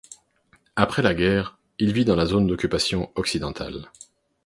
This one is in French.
Après la guerre, il vit dans la zone d'occupation occidentale.